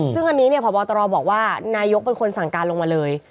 ซึ่งอันนี้เนี่ยพบตรบอกว่านายกเป็นคนสั่งการลงมาเลย